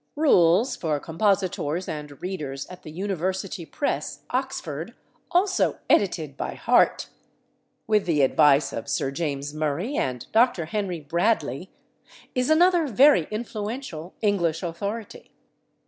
"Rules for Compositors and Readers at the University Press, Oxford," also edited by Hart (with the advice of Sir James Murray and Dr. Henry Bradley), is another very influential English authority.